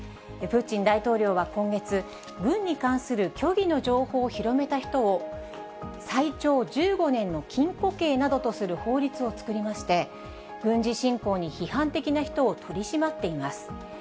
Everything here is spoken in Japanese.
プーチン大統領は今月、軍に関する虚偽の情報を広めた人を、最長１５年の禁錮刑などとする法律を作りまして、軍事侵攻に批判的な人を取り締まっています。